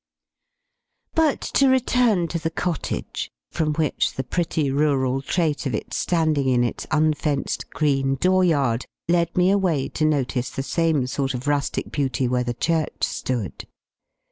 _ But to return to the cottage, from which the pretty, rural trait of its standing in its unfenced green door yard led me away to notice the same sort of rustic beauty where the church stood.